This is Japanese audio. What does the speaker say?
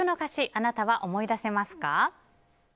あなたは思い出せますか？